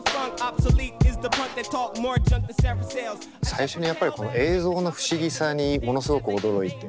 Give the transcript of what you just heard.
最初にやっぱりこの映像の不思議さにものすごく驚いて。